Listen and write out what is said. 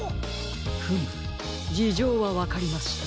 フムじじょうはわかりました。